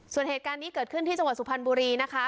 ส่วนเหตุการณ์นี้เกิดขึ้นที่จังหวัดสุพรรณบุรีนะคะ